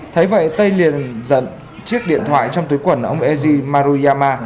thấy vậy tây liền dận chiếc điện thoại trong túi quần ông eji maruyama